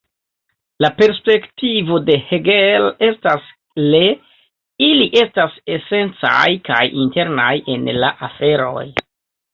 La perspektivo de Hegel estas le ili estas esencaj kaj internaj en la aferoj.